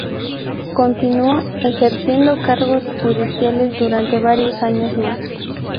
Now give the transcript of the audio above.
Continuó ejerciendo cargos judiciales durante varios años más.